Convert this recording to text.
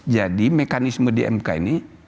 jadi mekanisme dmk ini